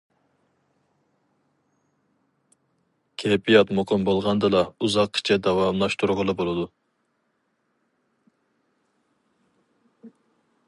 كەيپىيات مۇقىم بولغاندىلا ئۇزاققىچە داۋاملاشتۇرغىلى بولىدۇ.